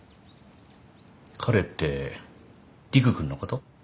彼って陸くんのこと？